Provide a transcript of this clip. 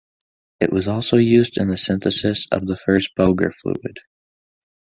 It was also used in the synthesis of the first Boger fluid.